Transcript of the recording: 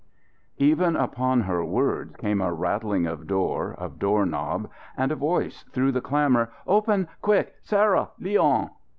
Even upon her words came a rattling of door, of door knob and a voice through the clamour. "Open quick Sarah! Leon!"